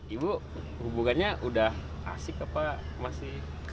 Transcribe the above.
ibu hubungannya udah asik apa masih